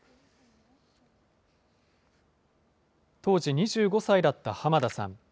当時２５歳だった浜田さん。